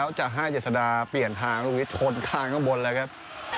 แล้วจะให้เจษดาเปลี่ยนทางลูกนี้ทนทางข้างบนแล้วครับ